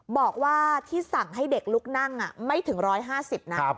บอกว่าที่สั่งให้เด็กลุกนั่งไม่ถึง๑๕๐นะ